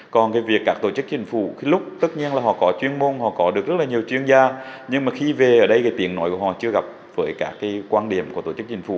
còn việc các tổ chức chính phủ lúc tất nhiên là họ có chuyên môn họ có được rất là nhiều chuyên gia nhưng mà khi về ở đây tiện nội của họ chưa gặp với các quan điểm của tổ chức chính phủ